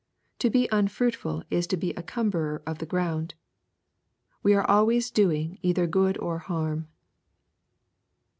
To be unfruitful is to be a cumberer of the ground. We are always doing either good or harm.